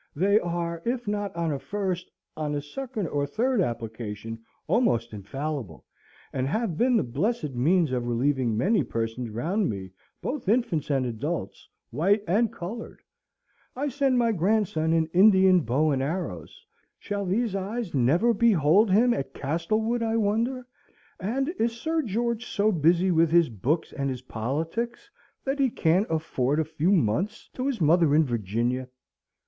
They are, if not on a first, on a second or third application, almost infallible, and have been the blessed means of relieving many persons round me, both infants and adults, white and coloured. I send my grandson an Indian bow and arrows. Shall these old eyes never behold him at Castlewood, I wonder, and is Sir George so busy with his books and his politics that he can't afford a few months to his mother in Virginia?